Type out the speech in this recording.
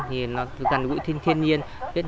thì nó gần gũi thiên nhiên